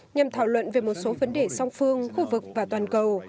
nhằm thảo luận về một số vấn đề song phương khu vực và toàn cầu